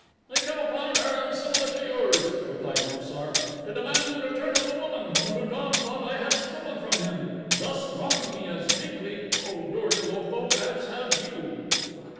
"They came upon an errand similar to yours," replied Mo sar; "to demand the return of the woman whom Lu don thought I had stolen from him, thus wronging me as deeply, O Dor ul Otho, as have you."